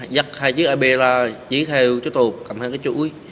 dắt hai chiếc apl giấy theo chú tục cầm hai cái chuỗi